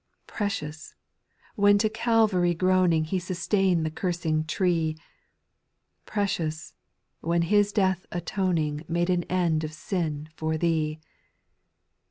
8. Precious — when to Calvary groaning He sustain'd the cursed tree ; Precious — when His death atoning Made an end of sin for thee.